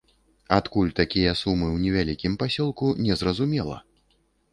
Адкуль такія сумы ў невялікім пасёлку, незразумела!